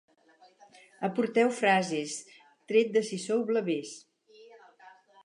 Aporteu frases, tret de si sou blavers.